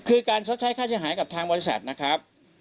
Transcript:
คือการชดใช้ค่าเสียหายกับทางบริษัทนะครับ